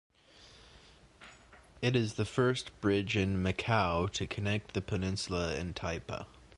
It is the first bridge in Macau, to connect the peninsula and Taipa.